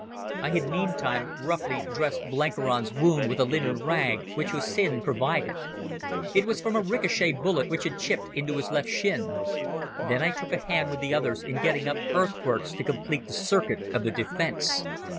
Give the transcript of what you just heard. I had meantime roughly dressed Blenkiron's wound with a linen rag which Hussin provided. It was from a ricochet bullet which had chipped into his left shin. Then I took a hand with the others in getting up earthworks to complete the circuit of the defence.